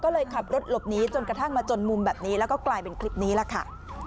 ก็เลยขับรถหลบหนีจนกระทั่งมาจนมุมแบบนี้แล้วก็กลายเป็นคลิปนี้ล่ะค่ะ